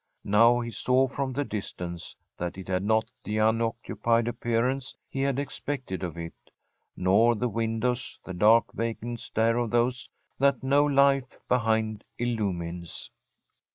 Now he saw from the distance that it had not the unoccupied appearance he had expected of it; nor the windows, the dark vacant stare of those that no life behind illumines.